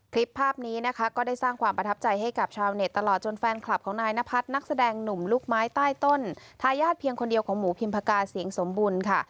คลิปภาพนี้นะคะก็ได้สร้างความประทับใจให้กับชาวเน็ตตลอดจนแฟนคลับของนายนพัฒน์นักแสดงหนุ่มลูกไม้ใต้ต้นทายาทเพียงคนเดียวของหมูพิมพกาเสียงสมบูรณ์ค่ะ